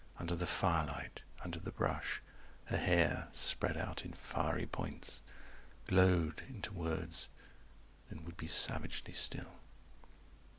Under the firelight, under the brush, her hair Spread out in fiery points Glowed into words, then would be savagely still.